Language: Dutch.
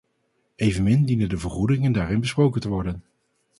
Evenmin dienen de vergoedingen daarin besproken te worden.